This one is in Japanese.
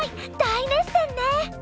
大熱戦ね。